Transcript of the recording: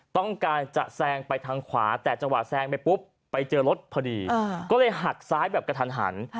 ต้องการจะแซงไปทางขวาแต่จังหวะแซงไปปุ๊บไปเจอรถพอดีก็เลยหักซ้ายแบบกระทันหัน